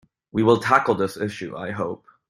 We will tackle this issue, I hope.